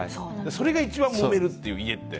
それが一番もめるっていう家って。